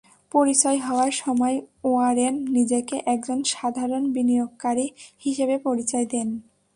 পরিচয় হওয়ার সময় ওয়ারেন নিজেকে একজন সাধারণ বিনিয়োগকারী হিসেবে পরিচয় দেন।